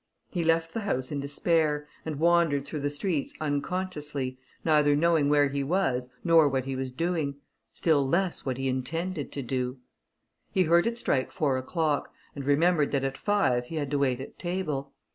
He left the house in despair, and wandered through the streets unconsciously, neither knowing where he was, nor what he was doing, still less what he intended to do. He heard it strike four o'clock, and remembered that at five he had to wait at table.